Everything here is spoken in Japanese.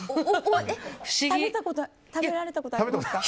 食べられたことありますか？